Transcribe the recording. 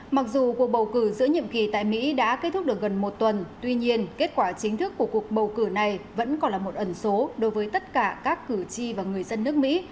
mặc dù cuộc bầu cử giữa nhiệm kỳ tại mỹ đã kết thúc được gần một tuần tuy nhiên kết quả chính thức của cuộc bầu cử này vẫn còn là một ẩn số đối với tất cả các cử tri và người dân nước mỹ